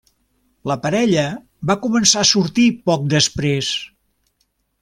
La parella va començar a sortir poc després.